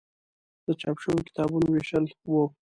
د چاپ شویو کتابونو ویشل و.